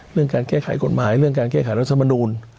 เรื่องการแก้ไขกฎหมายเรื่องการแก้ไขรัฐมนูล